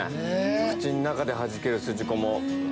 口の中ではじけるスジコも。